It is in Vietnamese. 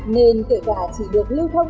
nên kể cả chỉ được lưu thông